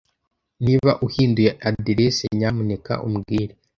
Niba uhinduye adresse, nyamuneka umbwire.